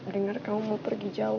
dengar kamu mau pergi jauh